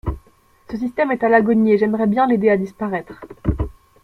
Ce système est à l’agonie et j’aimerais bien l’aider à disparaître.